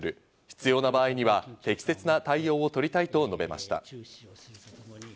必要な場合には適切な対応を取りたいと述べました。